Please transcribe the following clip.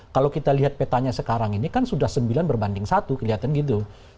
kalau kita lihat petanya sekarang ini kan sudah sembilan berbanding satu kelihatan gitu